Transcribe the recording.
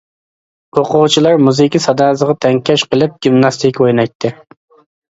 ئوقۇغۇچىلار مۇزىكا ساداسىغا تەڭكەش قىلىپ گىمناستىكا ئوينايتتى.